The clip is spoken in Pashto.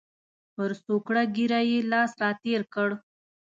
پر څوکړه ږیره یې لاس را تېر کړ.